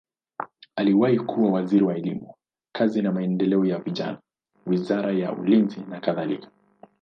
Aliwahi kuwa waziri wa elimu, kazi na maendeleo ya vijana, wizara ya ulinzi nakadhalika.